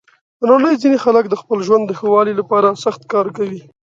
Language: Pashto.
د نړۍ ځینې خلک د خپل ژوند د ښه والي لپاره سخت کار کوي.